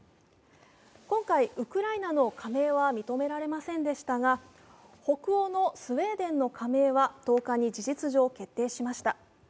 今回、ウクライナの加盟は認められませんでしたが、北欧のスウェーデンの加盟は１０日に事実上決定しました。